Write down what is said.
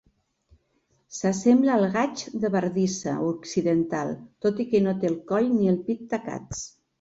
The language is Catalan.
S'assembla al gaig de bardissa occidental, tot i que no té el coll ni el pit tacats.